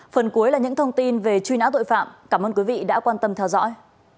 phần cuối là những thông tin về truy nã tội phạm cảm ơn quý vị đã quan tâm theo dõi